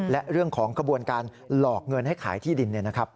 และเรื่องของกระบวนการหลอกเงินให้ขายที่ดิน